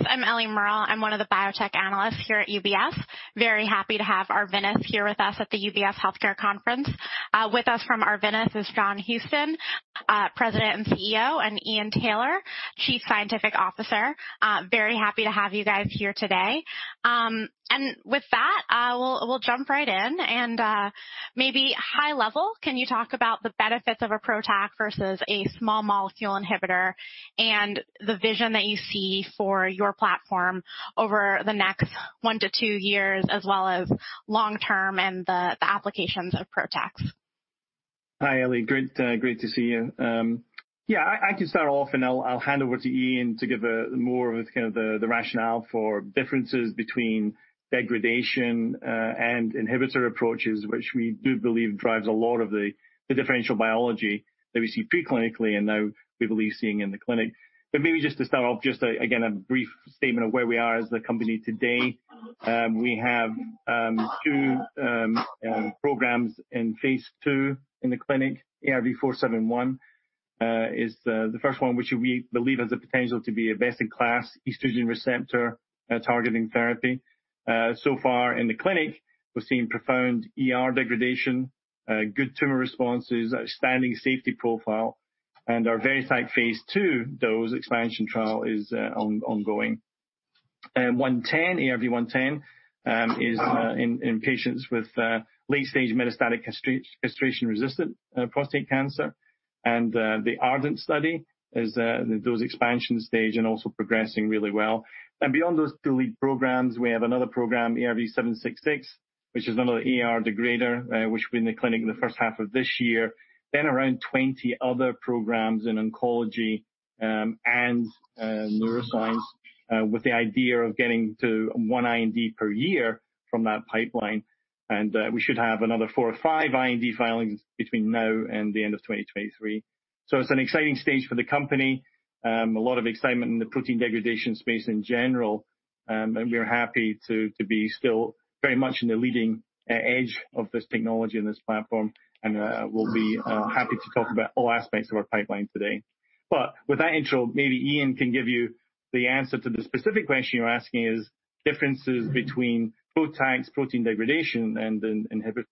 Hi guys, I'm Ellie Merle. I'm one of the biotech analysts here at UBS. Very happy to have Arvinas here with us at the UBS Healthcare Conference. With us from Arvinas is John Houston, President and CEO, and Ian Taylor, Chief Scientific Officer. Very happy to have you guys here today. With that, we'll jump right in and maybe high level, can you talk about the benefits of a PROTAC versus a small molecule inhibitor and the vision that you see for your platform over the next one to two years, as well as long term and the applications of PROTACs? Hi, Ellie. Great to see you. Yeah, I can start off, and I'll hand over to Ian to give more of kind of the rationale for differences between degradation and inhibitor approaches, which we do believe drives a lot of the differential biology that we see pre-clinically and now we believe seeing in the clinic. Maybe just to start off, just again, a brief statement of where we are as the company today. We have two programs in phase II in the clinic. ARV-471 is the first one, which we believe has the potential to be a best-in-class estrogen receptor targeting therapy. So far in the clinic, we're seeing profound ER degradation, good tumor responses, outstanding safety profile, and our VERITAC phase II dose expansion trial is ongoing. ARV-110 is in patients with late stage metastatic castration-resistant prostate cancer, and the ARDENT Study is in the dose expansion stage and also progressing really well. Beyond those two lead programs, we have another program, ARV-766, which is another ER degrader, which will be in the clinic in the first half of this year. Around 20 other programs in oncology and neuroscience with the idea of getting to one IND per year from that pipeline. We should have another four or five IND filings between now and the end of 2023. It's an exciting stage for the company. A lot of excitement in the protein degradation space in general, and we are happy to be still very much in the leading edge of this technology and this platform, and we'll be happy to talk about all aspects of our pipeline today. With that intro, maybe Ian can give you the answer to the specific question you're asking is, differences between PROTACs, protein degradation, and then inhibitors.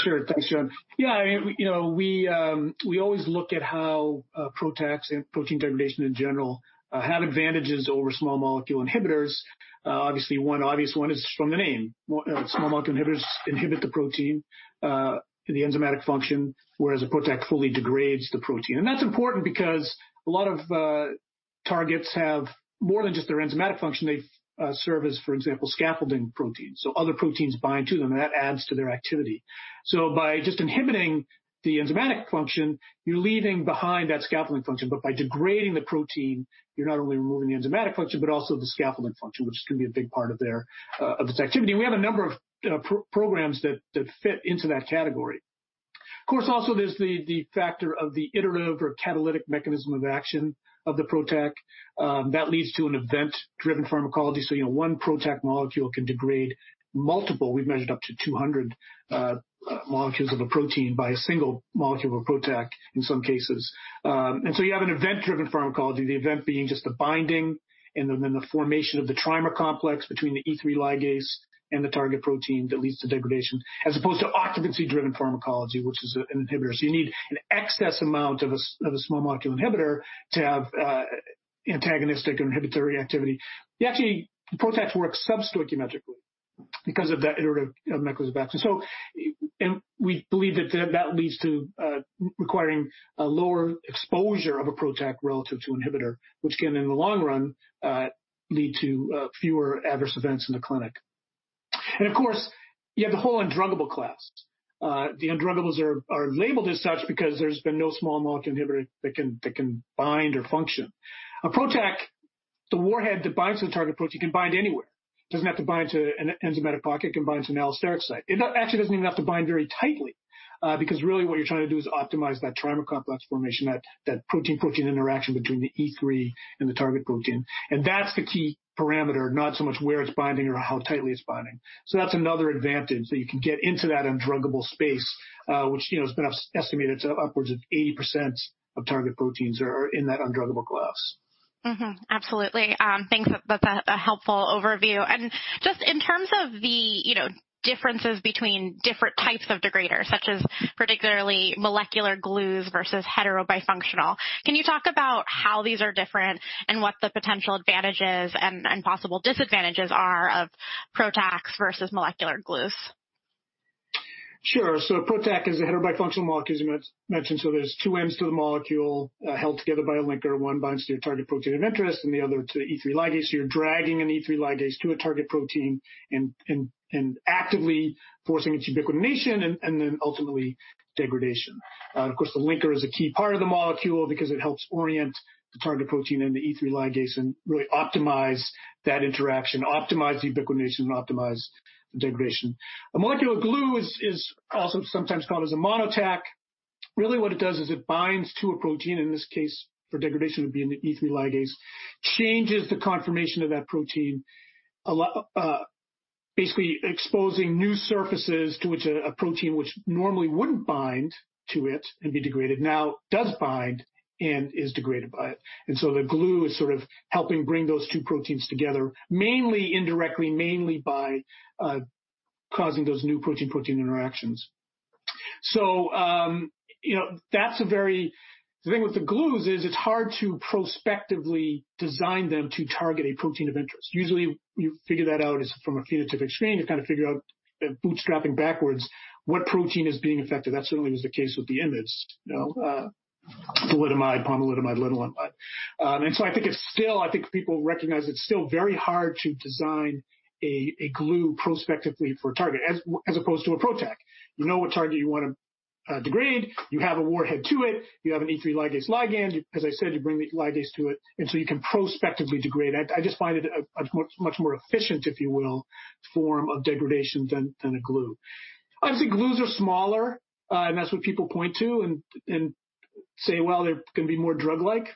Sure. Thanks, John. We always look at how PROTACs and protein degradation in general have advantages over small molecule inhibitors. Obviously, one obvious one is just from the name. Small molecule inhibitors inhibit the protein, in the enzymatic function, whereas a PROTAC fully degrades the protein. That's important because a lot of targets have more than just their enzymatic function. They serve as, for example, scaffolding proteins, so other proteins bind to them, and that adds to their activity. By just inhibiting the enzymatic function, you're leaving behind that scaffolding function, but by degrading the protein, you're not only removing the enzymatic function, but also the scaffolding function, which can be a big part of its activity. We have a number of programs that fit into that category. Of course, also there's the factor of the iterative or catalytic mechanism of action of the PROTAC that leads to an event-driven pharmacology. One PROTAC molecule can degrade multiple, we've measured up to 200 molecules of a protein by a single molecule of a PROTAC in some cases. You have an event-driven pharmacology, the event being just the binding and then the formation of the trimer complex between the E3 ligase and the target protein that leads to degradation, as opposed to occupancy-driven pharmacology, which is an inhibitor. You need an excess amount of a small molecule inhibitor to have antagonistic or inhibitory activity. Actually, PROTACs work substoichiometrically because of that iterative mechanism of action. We believe that leads to requiring a lower exposure of a PROTAC relative to inhibitor, which can, in the long run, lead to fewer adverse events in the clinic. Of course, you have the whole undruggable class. The undruggables are labeled as such because there's been no small molecule inhibitor that can bind or function. A PROTAC, the warhead that binds to the target protein can bind anywhere. It doesn't have to bind to an enzymatic pocket. It can bind to an allosteric site. It actually doesn't even have to bind very tightly, because really what you're trying to do is optimize that trimer complex formation, that protein-protein interaction between the E3 and the target protein. That's the key parameter, not so much where it's binding or how tightly it's binding. That's another advantage, that you can get into that undruggable space, which has been estimated to upwards of 80% of target proteins are in that undruggable class. Absolutely. Thanks. That's a helpful overview. Just in terms of the differences between different types of degraders, such as particularly molecular glues versus heterobifunctional, can you talk about how these are different and what the potential advantages and possible disadvantages are of PROTACs versus molecular glues? Sure. A PROTAC is a heterobifunctional molecule, as you mentioned, so there's two ends to the molecule, held together by a linker. One binds to your target protein of interest, and the other to E3 ligase, so you're dragging an E3 ligase to a target protein and actively forcing its ubiquitination and then ultimately degradation. Of course, the linker is a key part of the molecule because it helps orient the target protein and the E3 ligase and really optimize that interaction, optimize ubiquitination, and optimize degradation. A molecular glue is also sometimes called as a MonoTAC. Really what it does is it binds to a protein, in this case for degradation, it would be an E3 ligase, changes the conformation of that protein a lot, Basically exposing new surfaces to which a protein which normally wouldn't bind to it and be degraded, now does bind and is degraded by it. The glue is sort of helping bring those two proteins together, mainly indirectly, mainly by causing those new protein-protein interactions. The thing with the glues is it's hard to prospectively design them to target a protein of interest. Usually you figure that out from a phenotypic screen. You kind of figure out bootstrapping backwards what protein is being affected. That certainly was the case with the IMiDs, you know, thalidomide, pomalidomide. I think it's still, I think people recognize it's still very hard to design a glue prospectively for a target as opposed to a PROTAC. You know what target you want to degrade, you add a warhead to it, you have an E3 ligase ligand, as I said, you bring the ligase to it, and so you can prospectively degrade. I just find it a much more efficient, if you will, form of degradation than a glue. Obviously, glues are smaller, and that's what people point to and say, well, they're going to be more drug-like.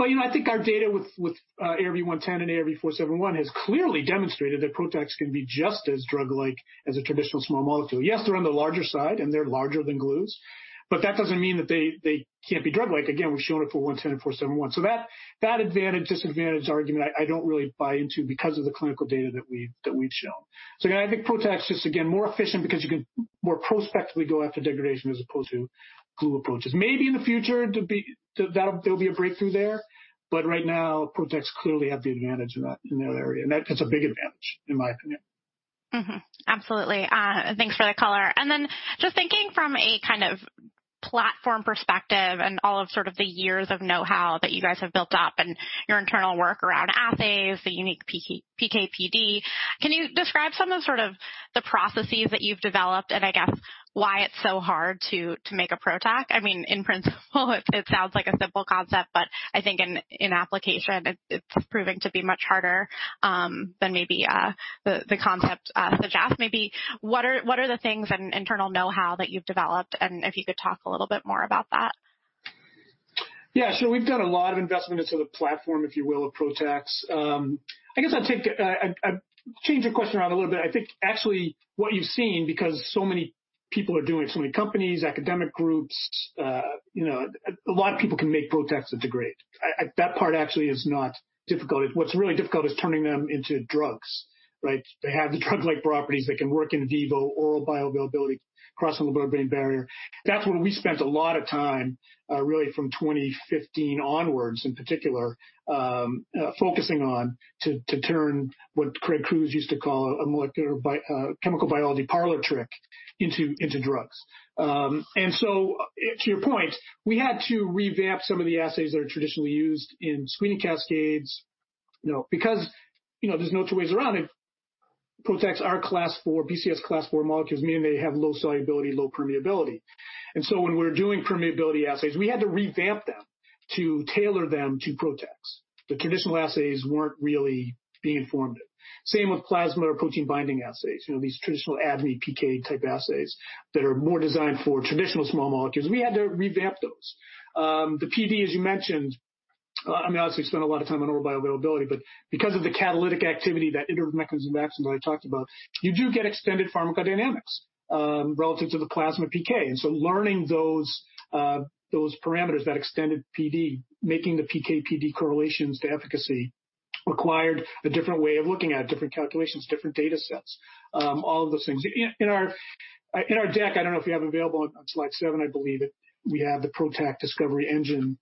I think our data with ARV-110 and ARV-471 has clearly demonstrated that PROTACs can be just as drug-like as a traditional small molecule. Yes, they're on the larger side, and they're larger than glues, but that doesn't mean that they can't be drug-like. Again, we've shown it for 110, 471. That advantage-disadvantage argument I don't really buy into because of the clinical data that we've shown. Again, I think PROTACs just again, more efficient because you can more prospectively go after degradation as opposed to glue approaches. Maybe in the future there'll be a breakthrough there, but right now PROTACs clearly have the advantage in that area, and that's a big advantage in my opinion. Mm-hmm. Absolutely. Thanks for that color. Just thinking from a kind of platform perspective and all of the years of know-how that you guys have built up and your internal work around assays, the unique PK/PD. Can you describe some of the processes that you've developed and I guess why it's so hard to make a PROTAC? I mean, in principle, it sounds like a simple concept, but I think in application it's proven to be much harder than maybe the concept of a jab. Maybe what are the things and internal know-how that you've developed, and if you could talk a little bit more about that? Yeah. We've done a lot of investment into the platform, if you will, of PROTACs. I guess I'll change your question around a little bit. I think actually what you've seen, because so many people are doing it, so many companies, academic groups, a lot of people can make PROTACs that degrade. That part actually is not difficult. What's really difficult is turning them into drugs. Like they have the drug-like properties, they can work in vivo, oral bioavailability, cross the blood-brain barrier. That's where we spent a lot of time, really from 2015 onwards in particular, focusing on to turn what Craig Crews used to call a molecular chemical biology parlor trick into drugs. To your point, we had to revamp some of the assays that are traditionally used in SNAP cascades. Because there's no two ways around it. PROTACs are class 4, BCS class 4 molecules, meaning they have low solubility, low permeability. When we were doing permeability assays, we had to revamp them to tailor them to PROTACs. The traditional assays weren't really being informative. Same with plasma protein binding assays, these traditional ADME PK type assays that are more designed for traditional small molecules. We had to revamp those. The PD, as you mentioned, and obviously spent a lot of time on oral bioavailability, but because of the catalytic activity, that intermittent mechanism of action that I talked about, you do get extended pharmacodynamics relative to the plasma PK. Learning those parameters, that extended PD, making the PK/PD correlations to efficacy required a different way of looking at it, different calculations, different data sets, all of those things. In our deck, I don't know if you have it available, on slide seven, I believe, we have the PROTAC discovery engine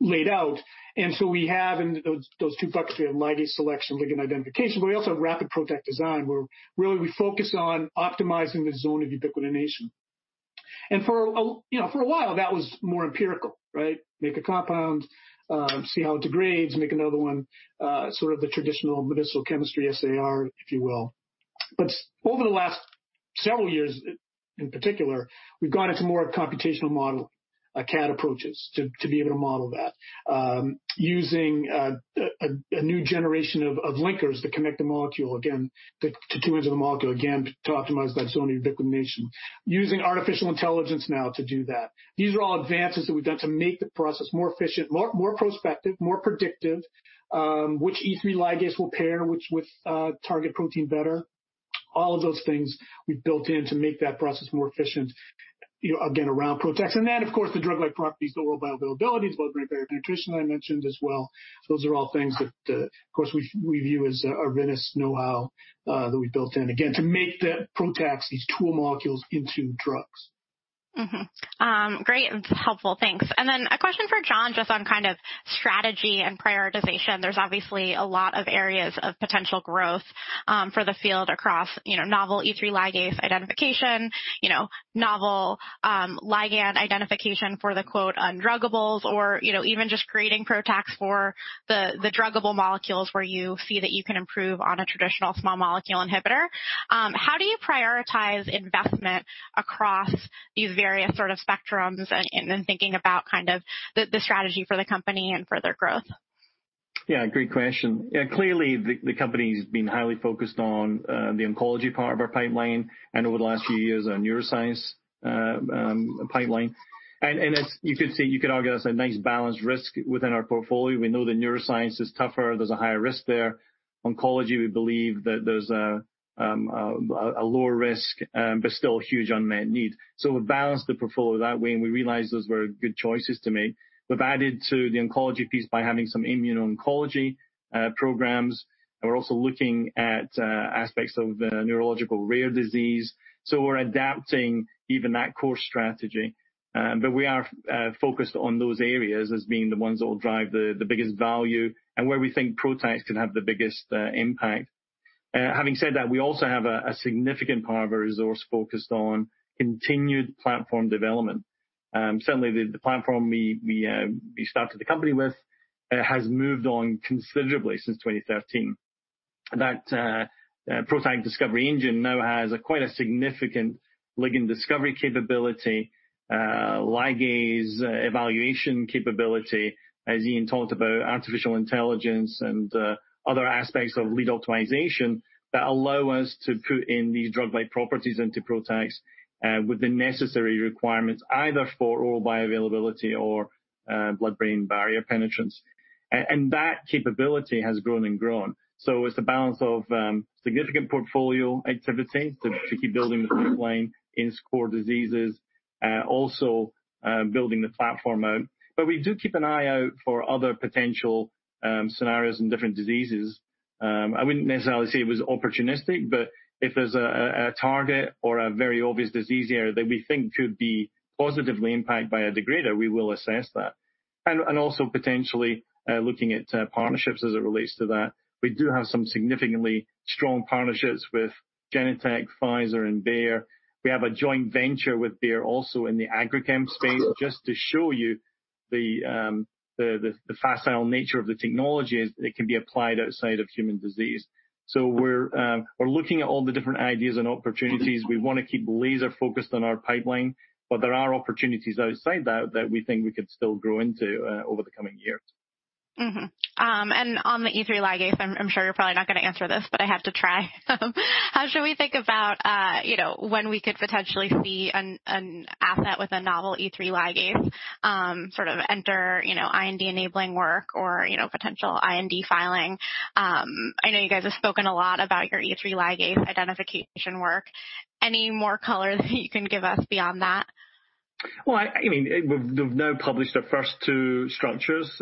laid out. We have in those two buckets, we have ligase selection, ligand identification. We also have rapid PROTAC design, where really we focus on optimizing the zone of ubiquitination. For a while, that was more empirical, right? Make a compound, see how it degrades, make another one, sort of the traditional medicinal chemistry SAR, if you will. Over the last several years in particular, we've gone into more computational modeling, CADD approaches, to be able to model that, using a new generation of linkers that connect the molecule, again, to optimize that zone of ubiquitination. Using artificial intelligence now to do that. These are all advances that we've done to make the process more efficient, more prospective, more predictive, which E3 ligase will pair which with target protein better. All of those things we've built in to make that process more efficient, again, around PROTACs. Of course, the drug-like properties, the oral bioavailability, blood-brain barrier penetration I mentioned as well. Those are all things that, of course, we view as our Arvinas know-how that we built in. Again, to make the PROTACs, these tool molecules into drugs. Great. Helpful. Thanks. A question for John, just on kind of strategy and prioritization. There's obviously a lot of areas of potential growth for the field across novel E3 ligase identification, novel ligand identification for the quote on druggables, or even just creating PROTACs for the druggable molecules where you see that you can improve on a traditional small molecule inhibitor. How do you prioritize investment across these various sort of spectrums and thinking about kind of the strategy for the company and for their growth? Yeah, great question. Clearly, the company's been highly focused on the oncology part of our pipeline and over the last few years, our neuroscience pipeline. As you could argue, that's a nice balanced risk within our portfolio. We know that neuroscience is tougher. There's a higher risk there. Oncology, we believe that there's a lower risk, but still a huge unmet need. We've balanced the portfolio that way, and we realized those were good choices to make. We've added to the oncology piece by having some immuno-oncology programs. We're also looking at aspects of the neurological rare disease. We're adapting even that core strategy. We are focused on those areas as being the ones that will drive the biggest value and where we think PROTACs can have the biggest impact. Having said that, we also have a significant part of our resource focused on continued platform development. Certainly, the platform we started the company with has moved on considerably since 2013. That PROTAC discovery engine now has quite a significant ligand discovery capability, ligase evaluation capability. As Ian talked about, artificial intelligence and other aspects of lead optimization that allow us to put in these drug-like properties into PROTACs with the necessary requirements either for oral bioavailability or blood-brain barrier penetrance. That capability has grown and grown. It's a balance of significant portfolio activity to keep building the pipeline in core diseases, also building the platform out. We do keep an eye out for other potential scenarios in different diseases. I wouldn't necessarily say it was opportunistic, but if there's a target or a very obvious disease area that we think could be positively impacted by a degrader, we will assess that. Also potentially looking at partnerships as it relates to that. We do have some significantly strong partnerships with Genentech, Pfizer and Bayer. We have a joint venture with Bayer also in the agrichem space, just to show you the facile nature of the technology is it can be applied outside of human disease. We're looking at all the different ideas and opportunities. We want to keep laser-focused on our pipeline, but there are opportunities outside that we think we could still grow into over the coming years. Mm-hmm. On the E3 ligase, I'm sure you're probably not going to answer this, but I have to try. How should we think about when we could potentially see an asset with a novel E3 ligase sort of enter IND enabling work or potential IND filing? I know you guys have spoken a lot about your E3 ligase identification work. Any more color that you can give us beyond that? Well, we've now published our first two structures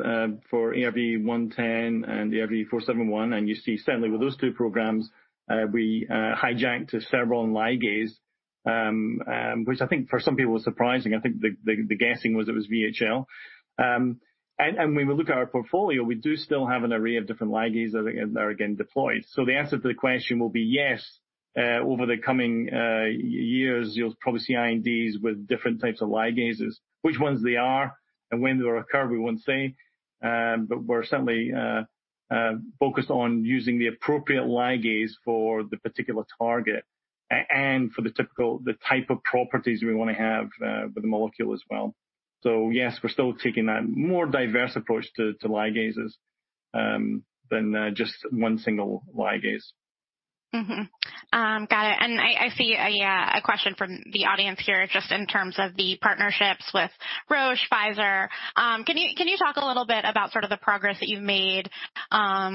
for ARV-110 and ARV-471, you see certainly with those two programs, we hijacked a cereblon ligase, which I think for some people was surprising. I think the guessing was it was VHL. When we look at our portfolio, we do still have an array of different ligases that are, again, deployed. The answer to the question will be yes, over the coming years, you'll probably see INDs with different types of ligases. Which ones they are and when they will occur, we won't say. We're certainly focused on using the appropriate ligase for the particular target and for the type of properties we want to have with the molecule as well. Yes, we're still taking a more diverse approach to ligases than just one single ligase. Mm-hmm. Got it. I see a question from the audience here, just in terms of the partnerships with Roche, Pfizer. Can you talk a little bit about sort of the progress that you've made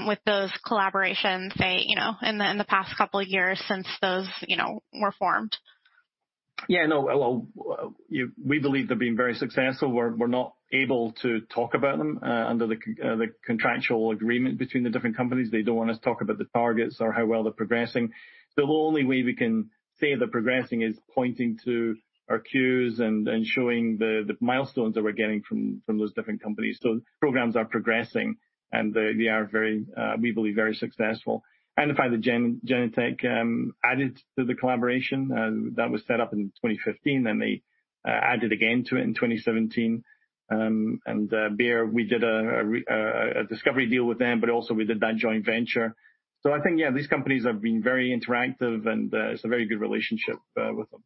with those collaborations, say, in the past couple of years since those were formed? Yeah, no. We believe they're being very successful. We're not able to talk about them under the contractual agreement between the different companies. They don't want us to talk about the targets or how well they're progressing. The only way we can say they're progressing is pointing to our cues and showing the milestones that we're getting from those different companies. Programs are progressing, and they are, we believe, very successful. The fact that Genentech added to the collaboration that was set up in 2015, and they added again to it in 2017. Bayer, we did a discovery deal with them, but also we did that joint venture. I think, yeah, these companies have been very interactive, and it's a very good relationship with them.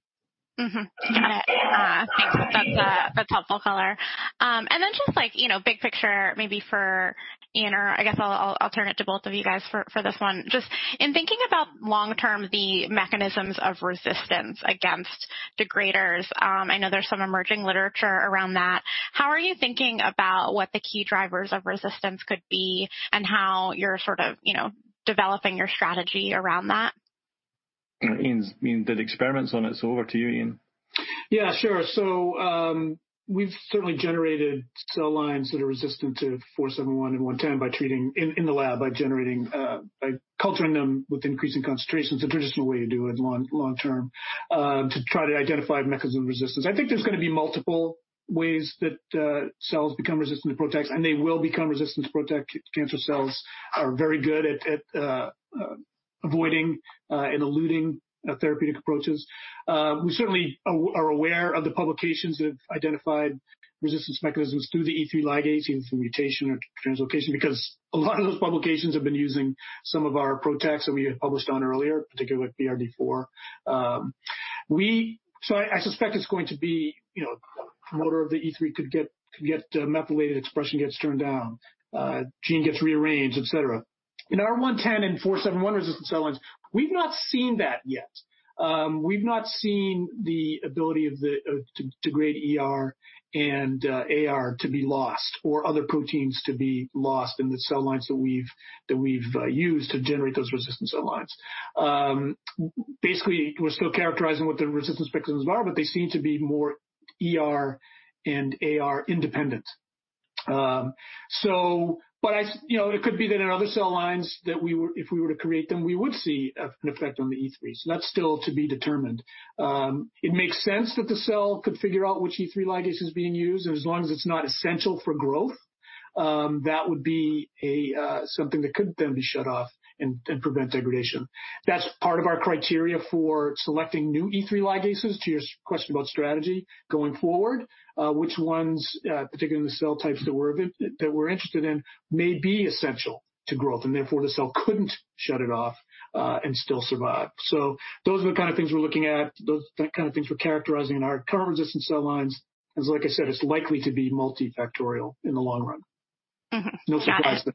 Mm-hmm. Got it. Thanks. That's helpful color. Just big picture maybe for Ian, or I guess I'll turn it to both of you guys for this one. Just in thinking about long-term, the mechanisms of resistance against degraders. I know there's some emerging literature around that. How are you thinking about what the key drivers of resistance could be and how you're sort of developing your strategy around that? Ian did experiments on it, so over to you, Ian. Yeah, sure. We've certainly generated cell lines that are resistant to 471 and 110 in the lab by culturing them with increasing concentrations. The traditional way to do it long-term, to try to identify mechanism resistance. I think there's going to be multiple ways that cells become resistant to PROTACs, and they will become resistant to PROTACs. Cancer cells are very good at avoiding and eluding therapeutic approaches. We certainly are aware of the publications that have identified resistance mechanisms through the E3 ligase, either through mutation or translocation, because a lot of those publications have been using some of our PROTACs that we had published on earlier, particularly with BRD4. I suspect it's going to be a promoter of the E3 could get methylated, expression gets turned down, gene gets rearranged, et cetera. In ARV-110 and 471-resistant cell lines, we've not seen that yet. We've not seen the ability of the degraded ER and AR to be lost, or other proteins to be lost in the cell lines that we've used to generate those resistant cell lines. We're still characterizing what the resistance mechanisms are, they seem to be more ER and AR independent. It could be that in other cell lines that if we were to create them, we would see an effect on the E3s. That's still to be determined. It makes sense that the cell could figure out which E3 ligase is being used, as long as it's not essential for growth, that would be something that could then be shut off and prevent degradation. That's part of our criteria for selecting new E3 ligases, to your question about strategy going forward, which ones, particularly in the cell types that we're interested in, may be essential to growth, and therefore, the cell couldn't shut it off and still survive. Those are the kind of things we're looking at, those kind of things we're characterizing in our current resistant cell lines. Like I said, it's likely to be multifactorial in the long run. Mm-hmm. Got it. No surprise there.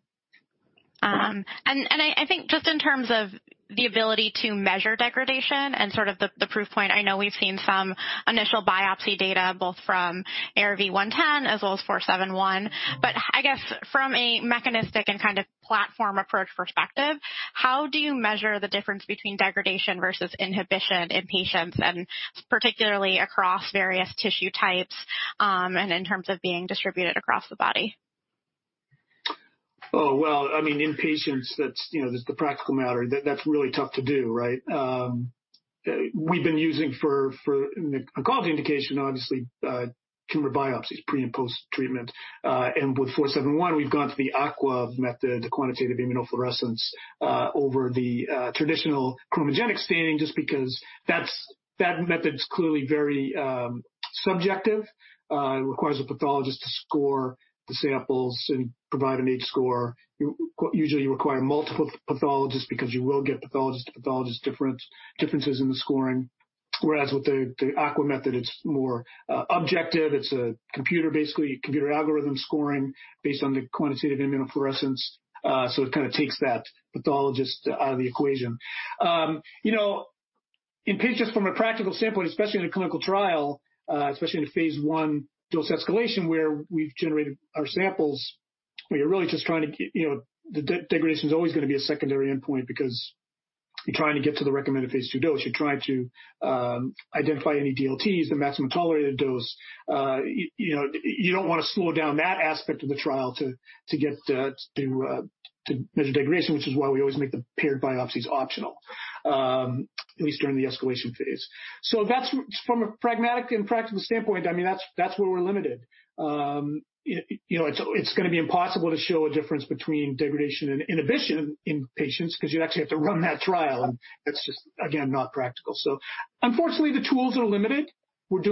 I think just in terms of the ability to measure degradation and sort of the proof point, I know we've seen some initial biopsy data, both from ARV-110 as well as ARV-471. I guess from a mechanistic and kind of platform approach perspective, how do you measure the difference between degradation versus inhibition in patients, and particularly across various tissue types, and in terms of being distributed across the body? Oh, well, in patients, that's the practical matter. That's really tough to do, right? We've been using for an oncology indication, obviously, tumor biopsies pre- and post-treatment. With ARV-471, we've gone to the AQUA method, the quantitative immunofluorescence, over the traditional chromogenic staining, just because that method's clearly very subjective. It requires a pathologist to score the samples and provide an H-score. Usually, you require multiple pathologists because you will get pathologist-to-pathologist differences in the scoring. Whereas with the AQUA method, it's more objective. It's a computer, basically, a computer algorithm scoring based on the quantitative immunofluorescence. It kind of takes that pathologist out of the equation. In patients from a practical standpoint, especially in a clinical trial, especially in a phase I dose escalation where we've generated our samples. The degradation's always going to be a secondary endpoint because you're trying to get to the recommended phase II dose. You're trying to identify any DLTs, the maximum tolerated dose. You don't want to slow down that aspect of the trial to measure degradation, which is why we always make the paired biopsies optional, at least during the escalation phase. That's from a pragmatic and practical standpoint, that's where we're limited. It's going to be impossible to show a difference between degradation and inhibition in patients because you'd actually have to run that trial, and that's just, again, not practical. Unfortunately, the tools are limited. We're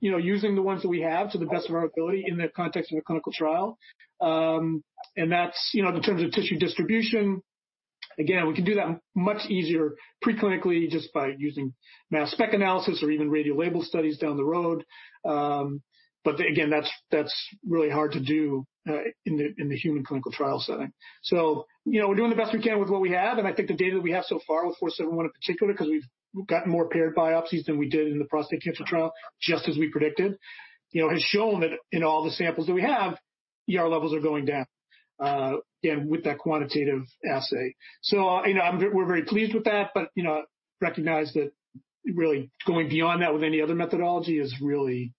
using the ones that we have to the best of our ability in the context of a clinical trial. That's in terms of tissue distribution, again, we can do that much easier pre-clinically just by using mass spec analysis or even radiolabel studies down the road. Again, that's really hard to do in the human clinical trial setting. We're doing the best we can with what we have, and I think the data that we have so far with 471 in particular, because we've gotten more paired biopsies than we did in the prostate cancer trial, just as we predicted, has shown that in all the samples that we have, ER levels are going down, again, with that quantitative assay. We're very pleased with that, but recognize that really going beyond that with any other methodology is really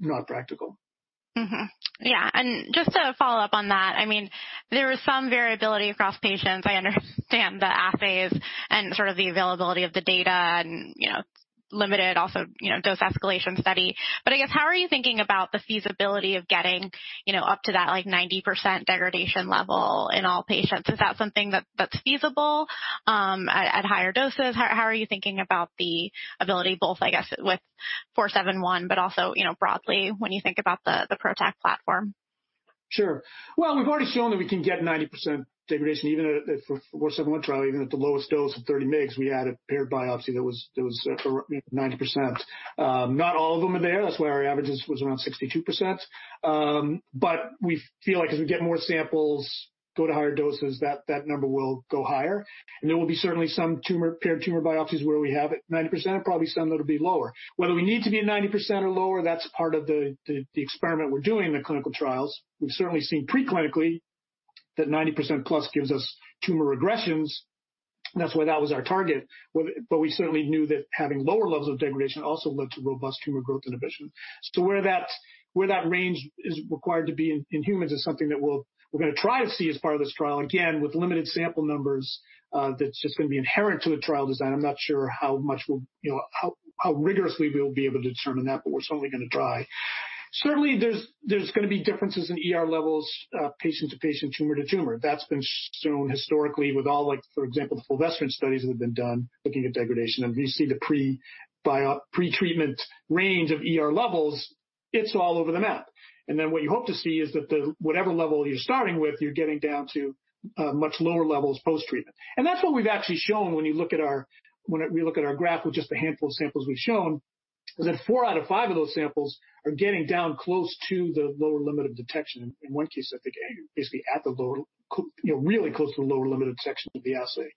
not practical. Mm-hmm. Yeah. Just to follow up on that, there is some variability across patients. I understand the assays and sort of the availability of the data and it's limited also, dose escalation study. I guess, how are you thinking about the feasibility of getting up to that 90% degradation level in all patients? Is that something that's feasible at higher doses? How are you thinking about the ability both, I guess, with 471, but also, broadly, when you think about the PROTAC platform? Sure. Well, we've already shown that we can get 90% degradation, even for ARV-471 trial, even at the lowest dose of 30 mg, we had a paired biopsy that was 90%. Not all of them are there. That's why our averages was around 62%. We feel like as we get more samples, go to higher doses, that number will go higher, and there will be certainly some paired tumor biopsies where we have it 90% and probably some that'll be lower. Whether we need to be at 90% or lower, that's part of the experiment we're doing in the clinical trials. We've certainly seen pre-clinically that 90% plus gives us tumor regressions, and that's why that was our target, but we certainly knew that having lower levels of degradation also led to robust tumor growth inhibition. Where that range is required to be in humans is something that we're going to try to see as part of this trial. Again, with limited sample numbers, that's just going to be inherent to the trial design. I'm not sure how rigorously we'll be able to determine that, but we're certainly going to try. Certainly, there's going to be differences in ER levels, patient to patient, tumor to tumor. That's been shown historically with all like, for example, the fulvestrant studies that have been done looking at degradation. We see the pre-treatment range of ER levels. It's all over the map. What you hope to see is that whatever level you're starting with, you're getting down to much lower levels post-treatment. That's what we've actually shown when we look at our graph with just the handful of samples we've shown, is that four out of five of those samples are getting down close to the lower limit of detection. In one case, I think basically really close to the lower limit of detection of the assay.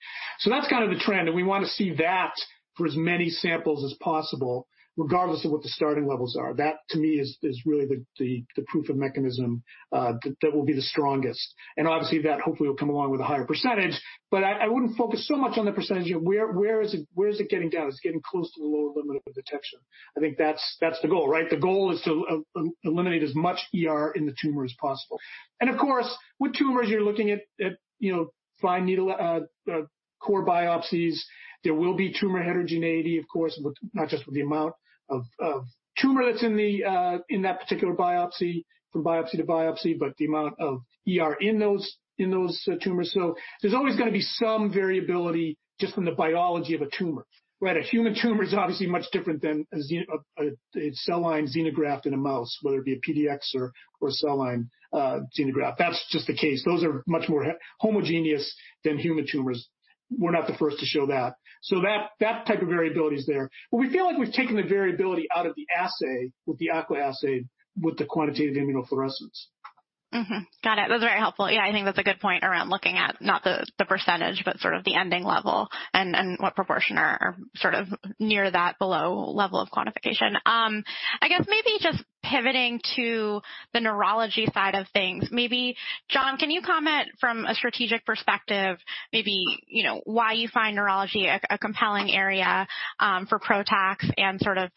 That's kind of the trend, and we want to see that for as many samples as possible, regardless of what the starting levels are. That to me is really the proof of mechanism that will be the strongest and obviously that hopefully will come along with a higher percentage. I wouldn't focus so much on the percentage of where is it getting down. It's getting close to the lower limit of detection. I think that's the goal, right? The goal is to eliminate as much ER in the tumor as possible. Of course, with tumors, you're looking at fine needle core biopsies. There will be tumor heterogeneity, of course, not just with the amount of tumor that's in that particular biopsy, from biopsy to biopsy, but the amount of ER in those tumors. There's always going to be some variability just from the biology of a tumor. A human tumor is obviously much different than a cell line xenograft in a mouse, whether it be a PDX or a cell line xenograft. That's just the case. Those are much more homogeneous than human tumors. We're not the first to show that. That type of variability is there, but we feel like we've taken the variability out of the assay with the AQUA assay, with the quantitative immunofluorescence. Mm-hmm. Got it. That's very helpful. I think that's a good point around looking at not the percentage, but sort of the ending level and what proportion are sort of near that below level of quantification. I guess maybe just pivoting to the neurology side of things, maybe, John, can you comment from a strategic perspective, maybe why you find neurology a compelling area for PROTACs and sort of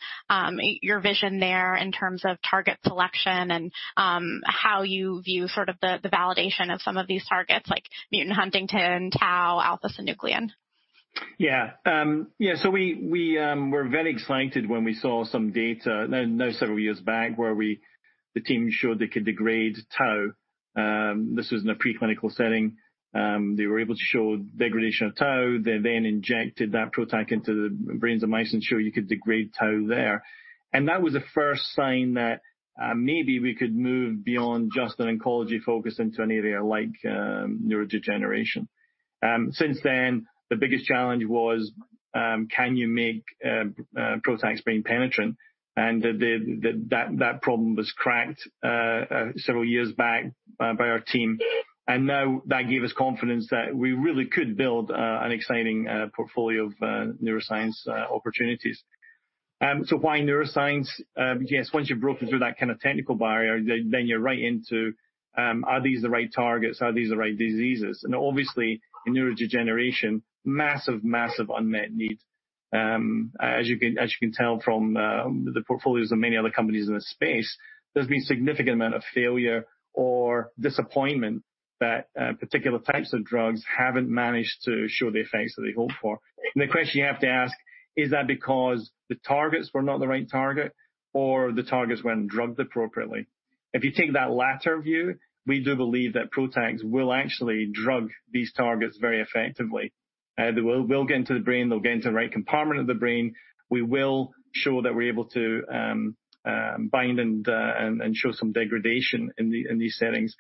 your vision there in terms of target selection and how you view sort of the validation of some of these targets like mutant huntingtin, tau, alpha-synuclein? We were very excited when we saw some data now several years back where the team showed they could degrade tau. This was in a preclinical setting. They were able to show degradation of tau. They then injected that PROTAC into the brains of mice and showed you could degrade tau there. That was the first sign that maybe we could move beyond just an oncology focus into an area like neurodegeneration. Since then, the biggest challenge was can you make PROTACs brain penetrant? That problem was cracked several years back by our team, and now that gave us confidence that we really could build an exciting portfolio of neuroscience opportunities. Why neuroscience? Yes, once you've broken through that kind of technical barrier, then you're right into are these the right targets? Are these the right diseases? Obviously in neurodegeneration, massive unmet need. As you can tell from the portfolios of many other companies in this space, there's been significant amount of failure or disappointment that particular types of drugs haven't managed to show the effects that they hoped for. The question you have to ask is that because the targets were not the right target or the targets weren't drugged appropriately? If you take that latter view, we do believe that PROTACs will actually drug these targets very effectively. They will get into the brain. They'll get into the right compartment of the brain. We will show that we're able to bind and show some degradation in these settings.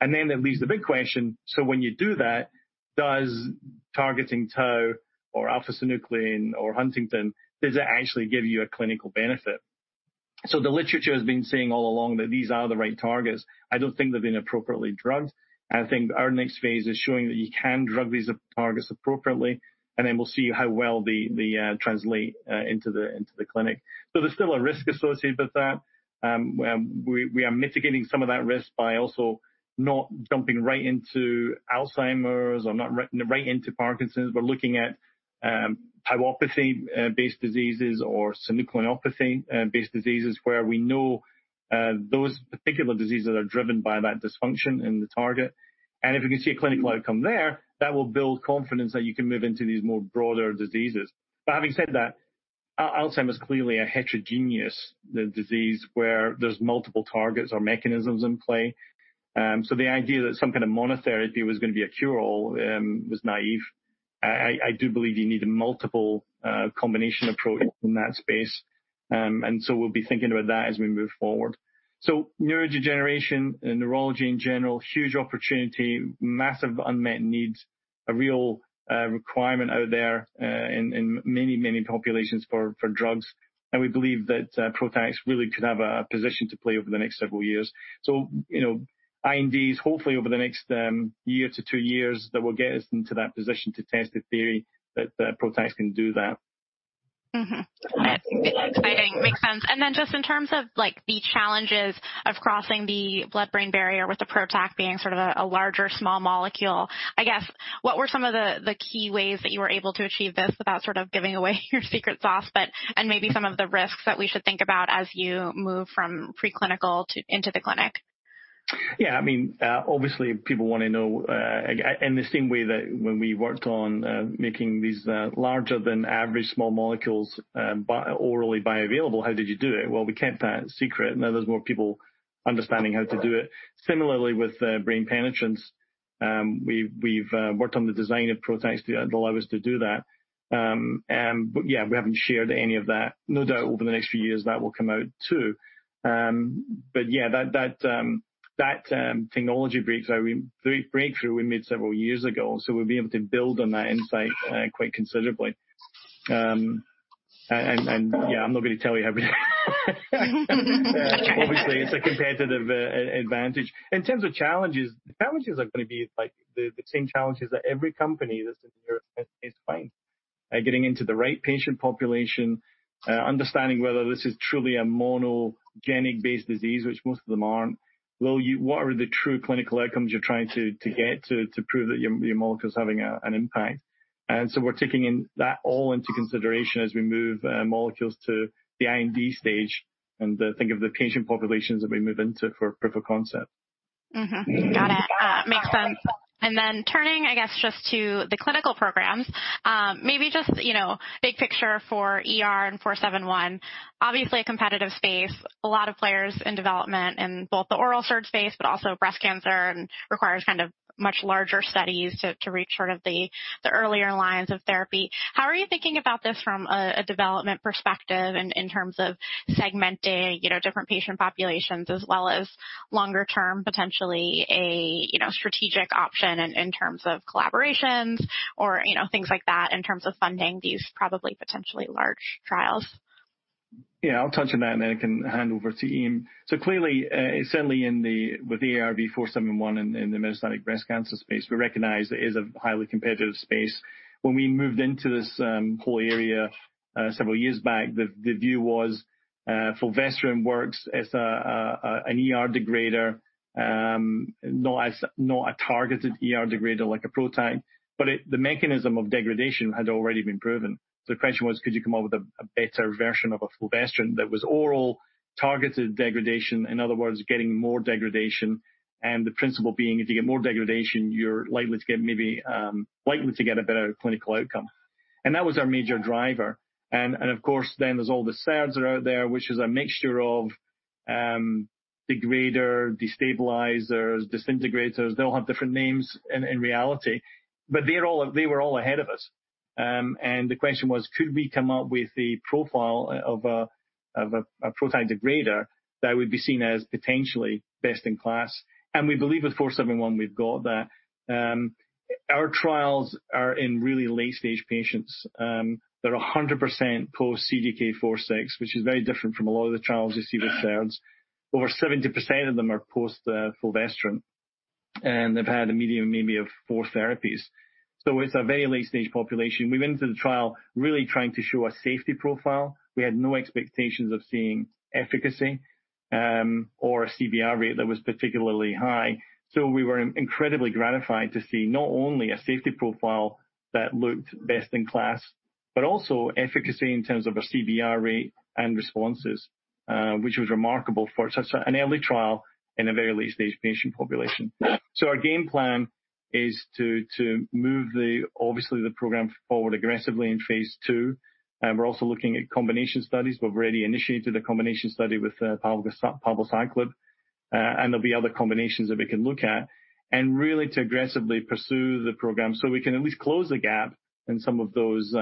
It leaves the big question, when you do that, does targeting tau or alpha-synuclein or huntingtin, does it actually give you a clinical benefit? The literature has been saying all along that these are the right targets. I don't think they've been appropriately drugged. I think our next phase is showing that you can drug these targets appropriately, then we'll see how well they translate into the clinic. There's still a risk associated with that. We are mitigating some of that risk by also not jumping right into Alzheimer's or not right into Parkinson's, but looking at tauopathy-based diseases or synucleinopathy-based diseases where we know those particular diseases are driven by that dysfunction in the target. If we can see a clinical outcome there, that will build confidence that you can move into these more broader diseases. Having said that, Alzheimer's is clearly a heterogeneous disease where there's multiple targets or mechanisms in play. The idea that some kind of monotherapy was going to be a cure-all was naïve. I do believe you need a multiple combination approach in that space. We'll be thinking about that as we move forward. Neurodegeneration and neurology in general, huge opportunity, massive unmet needs, a real requirement out there in many populations for drugs, and we believe that PROTACs really could have a position to play over the next several years. INDs hopefully over the next year to two years that will get us into that position to test the theory that PROTACs can do that. That's exciting. Makes sense. Just in terms of the challenges of crossing the blood-brain barrier with the PROTAC being sort of a larger small molecule, I guess, what were some of the key ways that you were able to achieve this without sort of giving away your secret sauce, and maybe some of the risks that we should think about as you move from preclinical into the clinic? Yeah, obviously people want to know in the same way that when we worked on making these larger than average small molecules orally bioavailable, how did you do it? Well, we kept that secret. There's more people understanding how to do it. Similarly with brain penetrance, we've worked on the design of PROTACs to allow us to do that. Yeah, we haven't shared any of that. No doubt over the next few years, that will come out, too. Yeah, that technology breakthrough we made several years ago, we'll be able to build on that insight quite considerably. Yeah, I'm not going to tell you everything. Obviously, it's a competitive advantage. In terms of challenges, the challenges are going to be the same challenges that every company that's in the rare space is facing. Getting into the right patient population, understanding whether this is truly a monogenic-based disease, which most of them aren't. What are the true clinical outcomes you're trying to get to prove that your molecule is having an impact? We're taking that all into consideration as we move molecules to the IND stage and think of the patient populations that we move into for proof of concept. Mm-hmm. Got it. Makes sense. Turning, I guess, just to the clinical programs, maybe just big picture for ER and 471. Obviously, a competitive space. A lot of players in development in both the oral SERD space, but also breast cancer, and requires much larger studies to reach the earlier lines of therapy. How are you thinking about this from a development perspective and in terms of segmenting different patient populations as well as longer term, potentially a strategic option in terms of collaborations or things like that, in terms of funding these probably potentially large trials? Yeah, I'll touch on that, and then I can hand over to Ian. Clearly, certainly with the ARV-471 in the metastatic breast cancer space, we recognize it is a highly competitive space. When we moved into this whole area several years back, the view was fulvestrant works as an ER degrader, not a targeted ER degrader like a PROTAC, but the mechanism of degradation had already been proven. The question was, could you come up with a better version of a fulvestrant that was oral targeted degradation? In other words, getting more degradation, and the principle being, if you get more degradation, you're likely to get a better clinical outcome. That was our major driver. Of course, then there's all the SERDs that are out there, which is a mixture of degrader, destabilizers, disintegrators. They all have different names in reality, but they were all ahead of us. The question was, could we come up with the profile of a PROTAC degrader that would be seen as potentially best in class? We believe with 471, we've got that. Our trials are in really late-stage patients. They're 100% post-CDK4/6, which is very different from a lot of the trials you see with SERDs. Over 70% of them are post-fulvestrant, and they've had a median maybe of four therapies. It's a very late-stage population. We went into the trial really trying to show a safety profile. We had no expectations of seeing efficacy or a CBR rate that was particularly high. We were incredibly gratified to see not only a safety profile that looked best in class, but also efficacy in terms of a CBR rate and responses, which was remarkable for such an early trial in a very late-stage patient population. Our game plan is to move, obviously, the program forward aggressively in phase II. We're also looking at combination studies. We've already initiated a combination study with palbociclib, and there'll be other combinations that we can look at, and really to aggressively pursue the program so we can at least close the gap in some of those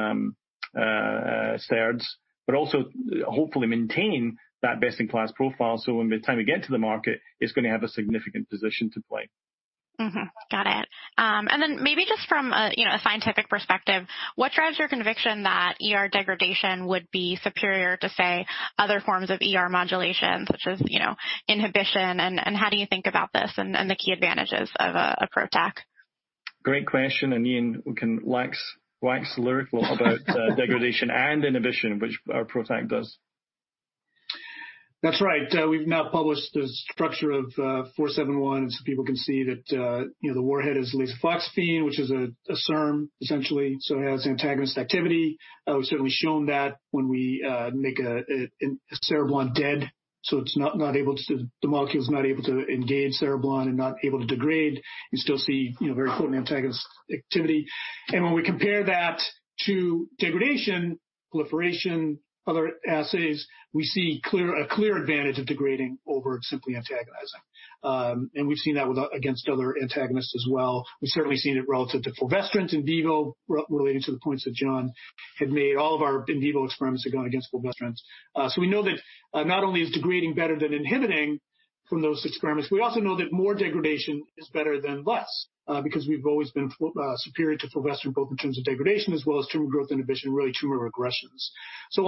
SERDs, but also hopefully maintain that best-in-class profile, so when the time we get to the market, it's going to have a significant position to play. Got it. Maybe just from a scientific perspective, what drives your conviction that ER degradation would be superior to, say, other forms of ER modulation, such as inhibition, and how do you think about this and the key advantages of a PROTAC? Great question, and Ian can wax lyrical about degradation and inhibition, which our PROTAC does. That's right. We've now published the structure of 471, so people can see that the warhead is lasofoxifene, which is a SERM, essentially, so it has antagonist activity. We've certainly shown that when we make a cereblon-dead, so the molecule's not able to engage cereblon and not able to degrade, you still see very potent antagonist activity. When we compare that to degradation, proliferation, other assays, we see a clear advantage of degrading over simply antagonizing. We've seen that against other antagonists as well. We've certainly seen it relative to fulvestrant in vivo, relating to the points that John had made. All of our in vivo experiments have gone against fulvestrant. We know that not only is degrading better than inhibiting from those experiments, we also know that more degradation is better than less, because we've always been superior to fulvestrant, both in terms of degradation as well as tumor growth inhibition, really tumor regressions. So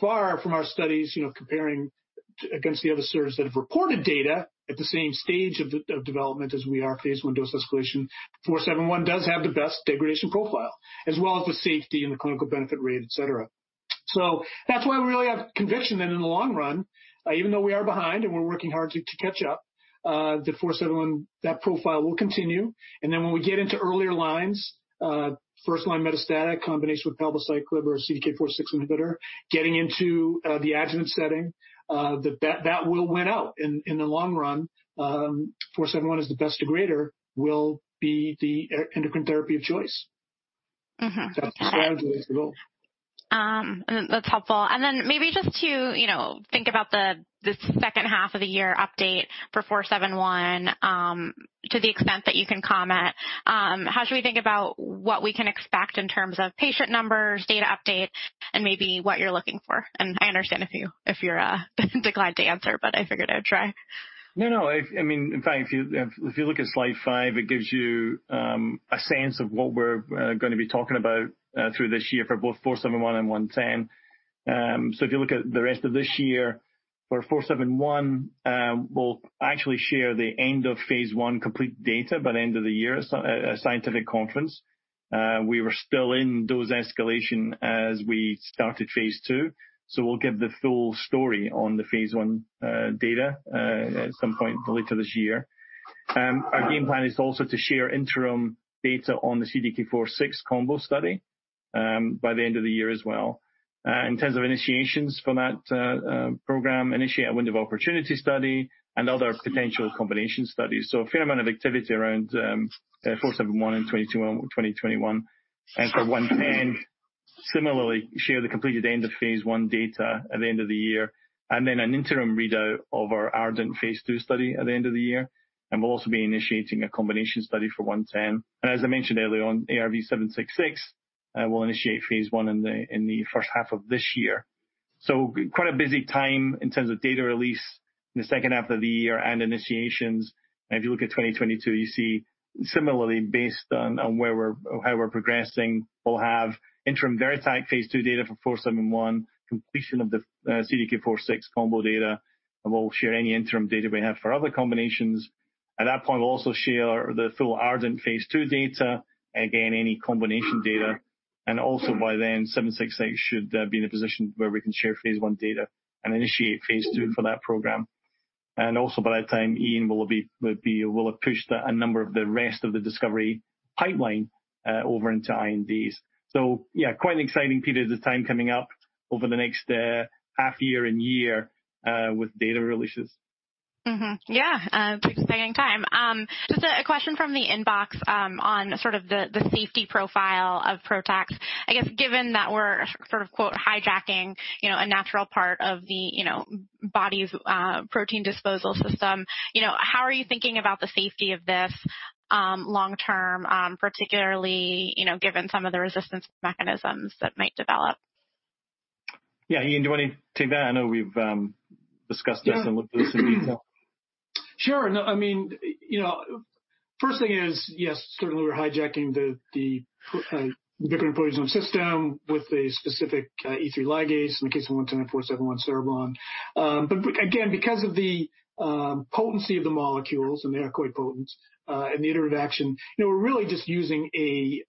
far from our studies, comparing against the other SERDs that have reported data at the same stage of development as we are, phase I dose escalation, 471 does have the best degradation profile. As well as the safety and the Clinical Benefit Rate, et cetera. That's why we really have conviction that in the long run, even though we are behind and we're working hard to catch up, the 471, that profile will continue. When we get into earlier lines, first-line metastatic combination with palbociclib or CDK4/6 inhibitor, getting into the adjuvant setting, that will win out in the long run. 471 as the best degrader will be the endocrine therapy of choice. That's the strategy. That's helpful. Maybe just to think about the second half of the year update for ARV-471, to the extent that you can comment, how should we think about what we can expect in terms of patient numbers, data updates, and maybe what you're looking for? I understand if you're not inclined to answer, but I figured I'd try. No. In fact, if you look at slide five, it gives you a sense of what we're going to be talking about through this year for both ARV-471 and ARV-110. If you look at the rest of this year, for 471, we'll actually share the end of phase I complete data by the end of the year at a scientific conference. We were still in dose escalation as we started phase II, so we'll give the full story on the phase I data at some point later this year. Our game plan is also to share interim data on the CDK4/6 combo study by the end of the year as well. In terms of initiations for that program, initiate a window of opportunity study and other potential combination studies. A fair amount of activity around ARV-471 in 2021. For 110, similarly, share the completed end of phase I data at the end of the year, and then an interim readout of our ARDENT phase II study at the end of the year, and we'll also be initiating a combination study for 110. As I mentioned earlier on, ARV-766, we'll initiate phase I in the first half of this year. Quite a busy time in terms of data release in the second half of the year and initiations. If you look at 2022, you see similarly, based on how we're progressing, we'll have interim VERITAC phase II data for 471, completion of the CDK4/6 combo data, and we'll share any interim data we have for other combinations. At that point, we'll also share the full ARDENT phase II data, again, any combination data, and also by then, ARV-766 should be in a position where we can share phase I data and initiate phase II for that program. Also by that time, Ian will have pushed a number of the rest of the discovery pipeline over into INDs. Yeah, quite an exciting period of time coming up over the next half year and year with data releases. Mm-hmm. Yeah. Very exciting time. Just a question from the inbox on sort of the safety profile of PROTACs. I guess given that we're sort of quote, "hijacking" a natural part of the body's protein disposal system, how are you thinking about the safety of this long term, particularly given some of the resistance mechanisms that might develop? Yeah. Ian, do you want to take that? I know we've discussed this in detail. Sure. First thing is, yes, certainly, we're hijacking the ubiquitin proteasome system with a specific E3 ligase in the case of 110 and 471 cereblon. Again, because of the potency of the molecules, and they are quite potent, and the iterative action, we're really just using a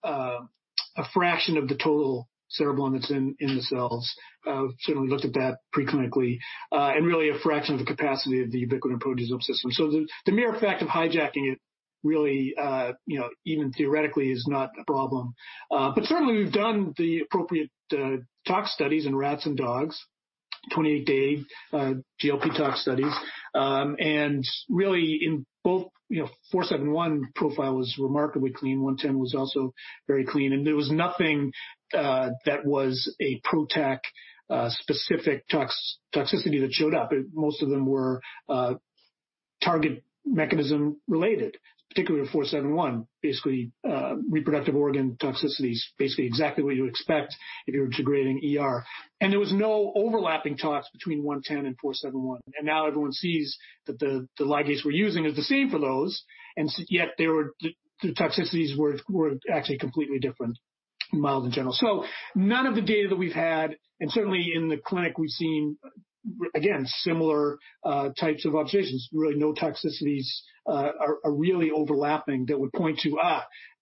fraction of the total cereblon that's in the cells. Certainly looked at that pre-clinically, and really a fraction of the capacity of the ubiquitin proteasome system. The mere fact of hijacking it really, even theoretically, is not a problem. Certainly, we've done the appropriate tox studies in rats and dogs, 28-day GLP tox studies. Really in both, 471 profile was remarkably clean, 110 was also very clean. There was nothing that was a PROTAC specific toxicity that showed up. Most of them were target mechanism related, particularly with 471, basically reproductive organ toxicities, basically exactly what you expect if you're degrading ER. There was no overlapping tox between 110 and 471. Everyone sees that the ligase we're using is the same for those, yet the toxicities were actually completely different, mild in general. None of the data that we've had, and certainly in the clinic, we've seen, again, similar types of observations, really no toxicities are really overlapping that would point to,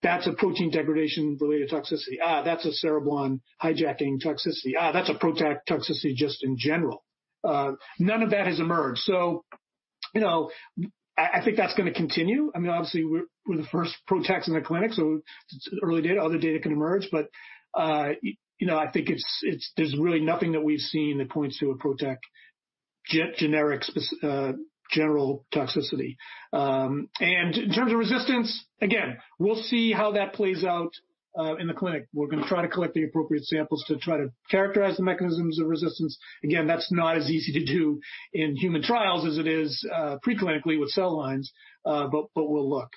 "That's a protein degradation-related toxicity. That's a cereblon hijacking toxicity. That's a PROTAC toxicity just in general." None of that has emerged. I think that's going to continue. Obviously, we're the first PROTACs in the clinic, so it's early data. Other data can emerge, but I think there's really nothing that we've seen that points to a PROTAC general toxicity. In terms of resistance, again, we'll see how that plays out in the clinic. We're going to try to collect the appropriate samples to try to characterize the mechanisms of resistance. Again, that's not as easy to do in human trials as it is pre-clinically with cell lines, but we'll look.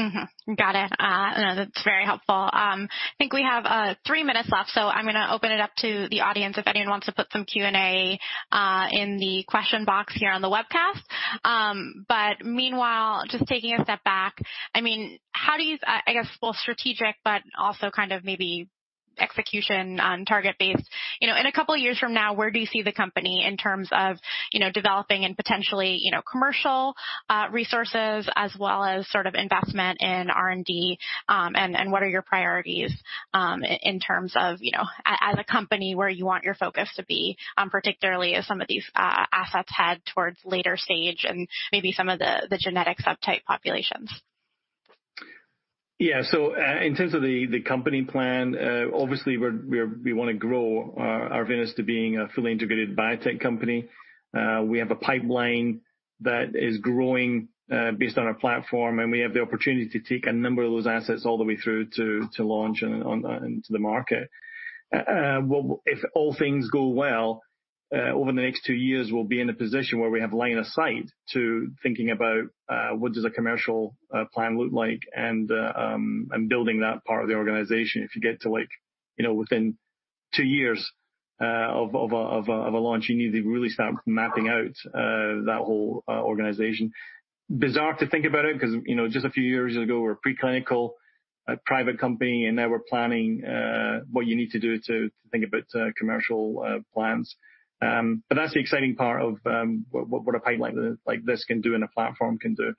Mm-hmm. Got it. No, that's very helpful. I think we have three minutes left, so I'm going to open it up to the audience if anyone wants to put some Q&A in the question box here on the webcast. Meanwhile, just taking a step back, how do you, I guess, well, strategic, but also kind of maybe execution on target-based, in a couple of years from now, where do you see the company in terms of developing and potentially commercial resources as well as sort of investment in R&D, and what are your priorities in terms of, as a company, where you want your focus to be, particularly as some of these assets head towards later stage and maybe some of the genetic subtype populations? In terms of the company plan, obviously we want to grow Arvinas to being a fully integrated biotech company. We have a pipeline that is growing based on our platform, and we have the opportunity to take a number of those assets all the way through to launch and into the market. If all things go well, over the next two years, we'll be in a position where we have line of sight to thinking about what does a commercial plan look like and building that part of the organization. If you get to within two years of a launch, you need to really start mapping out that whole organization. Bizarre to think about it, because just a few years ago, we were a pre-clinical private company, and now we're planning what you need to do to think about commercial plans. That's the exciting part of what a pipeline like this can do and a platform can do.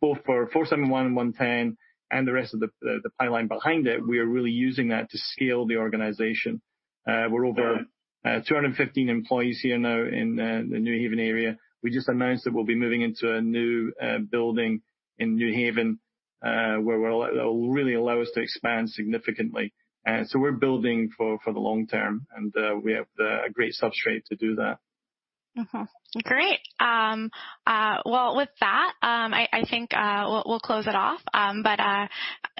Both for 471 and 110 and the rest of the pipeline behind it, we are really using that to scale the organization. We're over 215 employees here now in the New Haven area. We just announced that we'll be moving into a new building in New Haven, where it'll really allow us to expand significantly. We're building for the long-term, and we have a great substrate to do that. Mm-hmm. Great. With that, I think we'll close it off.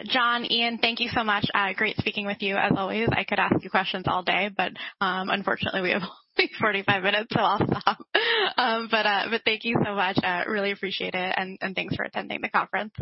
John, Ian, thank you so much. Great speaking with you as always. I could ask you questions all day, but unfortunately, we have only 45 minutes, so I'll stop. Thank you so much. Really appreciate it, and thanks for attending the conference.